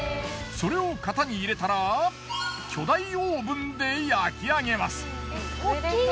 それを型に入れたら巨大オーブンで焼き上げます。